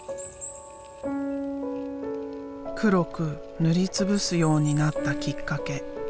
黒く塗りつぶすようになったきっかけ。